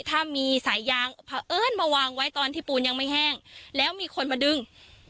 ถ้ามีสายยางมาวางไปตอนที่ปูนยังไม่แห้งแล้วมีคนมาดึง